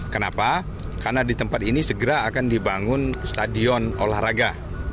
kenapa karena di tempat ini segera akan dibangun stadion olahraga